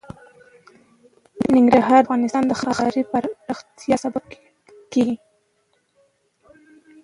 ننګرهار د افغانستان د ښاري پراختیا سبب کېږي.